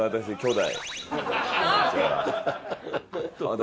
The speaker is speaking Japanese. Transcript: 私。